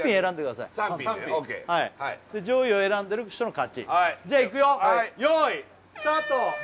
３品ＯＫはい３品上位を選んでる人の勝ちじゃあいくよよいスタート！